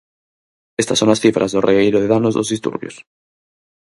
Estas son as cifras do regueiro de danos dos disturbios.